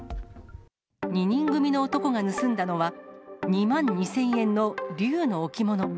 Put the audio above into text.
２人組の男が盗んだのは、２万２０００円の龍の置物。